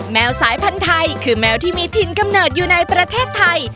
แมวสายพันธุ์ไทยคือแมวที่มีถิ่นกำเนิดอยู่ในประเทศไทย